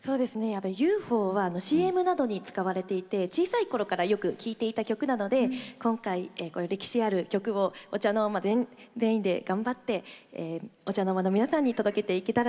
「ＵＦＯ」はＣＭなどに使われていて小さい頃からよく聴いていた曲なので今回歴史ある曲をＯＣＨＡＮＯＲＭＡ全員で頑張ってお茶の間の皆さんに届けていけたらなって思います。